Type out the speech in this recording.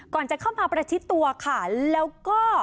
ก่อนจะเข้ามาประชิดตัวค่ะแล้วก็